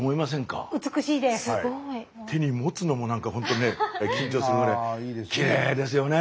手に持つのもなんかほんとね緊張するぐらいきれいですよね！